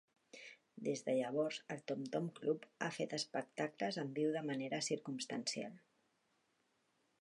Des de llavors, el Tom Tom Club ha fet espectacles en viu de manera circumstancial.